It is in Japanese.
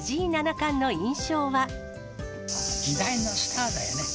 時代のスターだよね。